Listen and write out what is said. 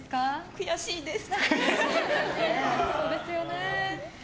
悔しいです。